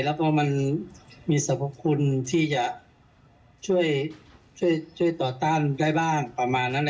แล้วก็มันมีสรรพคุณที่จะช่วยต่อต้านได้บ้างประมาณนั้น